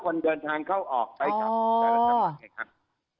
๔คนเดินทางเข้าออกไปกลับแล้วทำอย่างไรครับ